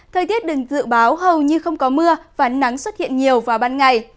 thời tiết đừng dự báo hầu như không có mưa và nắng xuất hiện nhiều vào ban ngày